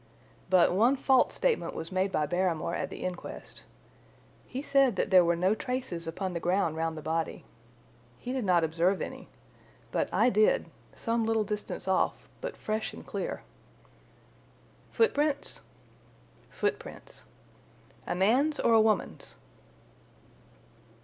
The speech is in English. But one false statement was made by Barrymore at the inquest. He said that there were no traces upon the ground round the body. He did not observe any. But I did—some little distance off, but fresh and clear." "Footprints?" "Footprints." "A man's or a woman's?"